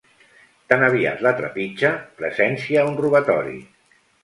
Tan aviat la trepitja presencia un robatori.